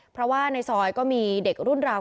เพราะว่าในซอยก็มีเด็กรุ่นราว